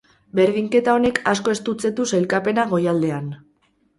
Berdinketa honek asko estutzen du sailkapena goialdean.